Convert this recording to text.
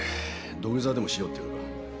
土下座でもしようっていうのか？